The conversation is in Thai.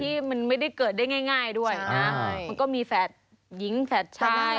ที่มันไม่ได้เกิดได้ง่ายด้วยนะมันก็มีแฝดหญิงแฝดชาย